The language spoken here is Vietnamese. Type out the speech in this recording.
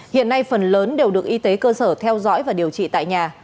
hiện nay phần lớn đều được y tế cơ sở theo dõi và điều trị tại nhà